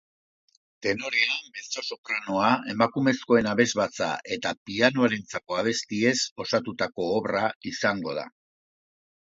Tenorea, mezzosopranoa, emakumezkoen abesbatza eta pianorentzako abestiez osatutako obra izango da.